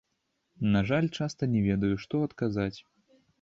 На жаль, часта не ведаю, што адказаць.